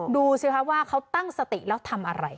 ดูสิคะว่าเขาตั้งสติแล้วทำอะไร